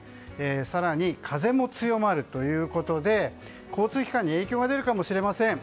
更に風も強まるということで交通機関に影響が出るかもしれません。